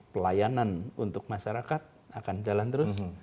pelayanan untuk masyarakat akan jalan terus